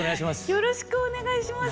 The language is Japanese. よろしくお願いします。